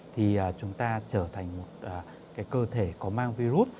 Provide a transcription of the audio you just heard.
thì chúng ta trở thành một cơ thể có mang virus